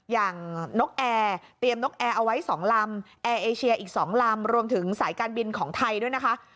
นกแอร์เตรียมนกแอร์เอาไว้๒ลำแอร์เอเชียอีก๒ลำรวมถึงสายการบินของไทยด้วยนะคะ